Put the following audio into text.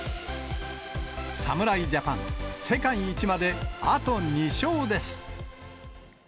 侍ジャパン、世界一まであと２勝です。